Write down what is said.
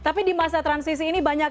tapi di masa transisi ini banyak